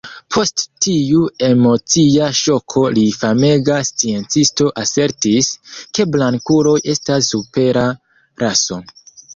Post tiu emocia ŝoko li famega sciencisto asertis, ke blankuloj estas supera raso.